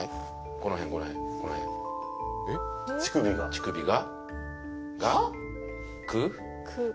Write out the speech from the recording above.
乳首が。